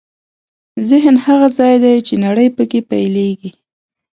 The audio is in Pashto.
ذهن هغه ځای دی چې نړۍ پکې پیلېږي.